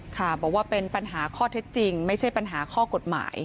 ค่ะบอกว่าเป็นปัญหาข้อเท็จจริงไม่ใช่ปัญหาข้อกฎหมาย